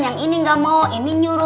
yang ini nggak mau ini nyuruh